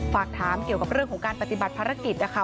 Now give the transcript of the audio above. ฝากถามเกี่ยวกับเรื่องของการปฏิบัติภารกิจนะคะ